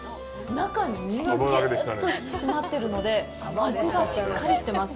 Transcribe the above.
中に身がぎゅっと引き締まってるので味がしっかりしてます。